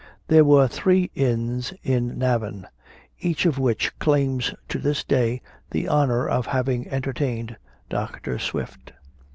There were three inns in Navan, each of which claims to this day the honor of having entertained Dr. Swift.